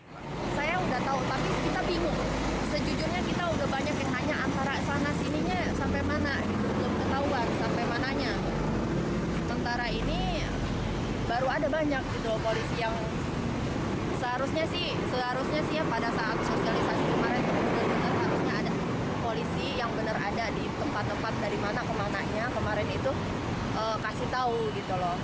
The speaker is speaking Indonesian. seharusnya sih pada saat sosialisasi kemarin harusnya ada polisi yang benar ada di tempat tempat dari mana ke mananya kemarin itu kasih tahu gitu loh